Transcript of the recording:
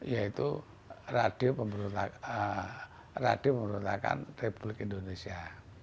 yaitu radio pemberontakan republik indonesia